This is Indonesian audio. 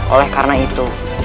oleh karena itu